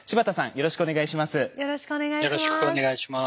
よろしくお願いします。